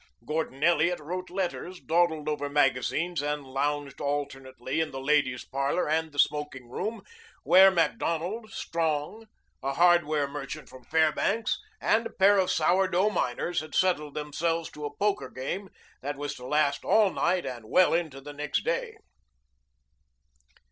Gordon Elliot wrote letters, dawdled over magazines, and lounged alternately in the ladies' parlor and the smoking room, where Macdonald, Strong, a hardware merchant from Fairbanks, and a pair of sour dough miners had settled themselves to a poker game that was to last all night and well into the next day.